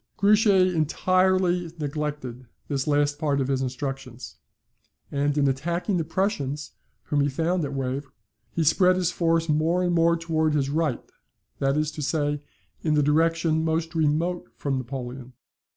Grouchy entirely neglected this last part of his instructions; and in attacking the Prussians whom he found at Wavre, he spread his force more and more towards his right, that is to say, in the direction most remote from Napoleon.